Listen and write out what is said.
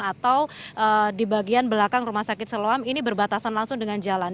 atau di bagian belakang rumah sakit siloam ini berbatasan langsung dengan jalan